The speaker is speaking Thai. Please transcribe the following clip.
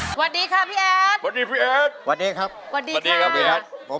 สวัสดีครับพี่แอดสวัสดีพี่แอดสวัสดีครับสวัสดีครับสวัสดีครับสวัสดีครับ